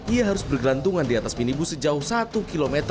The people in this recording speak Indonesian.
ia harus bergelantungan di atas minibus sejauh satu km